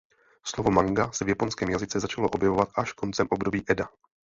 Slovo manga se v Japonském jazyce začalo objevovat až koncem období Eda.